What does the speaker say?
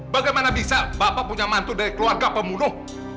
bagaimana bisa bapak punya mantu dari keluarga pembunuh